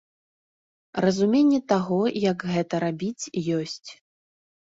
Разуменне таго, як гэта рабіць, ёсць.